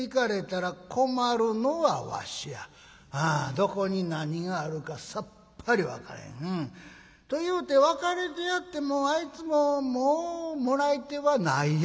どこに何があるかさっぱり分からへん。というて別れてやってもあいつももうもらい手はないやろな。